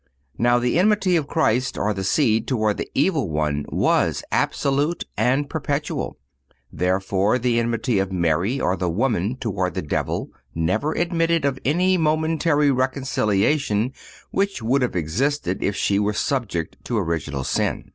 Now the enmity of Christ, or the Seed, toward the evil one was absolute and perpetual. Therefore the enmity of Mary, or the Woman, toward the devil never admitted of any momentary reconciliation which would have existed if she were ever subject to original sin.